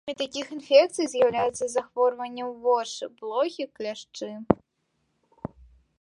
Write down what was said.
Пераносчыкамі такіх інфекцый з'яўляюцца захворванняў вошы, блохі, кляшчы.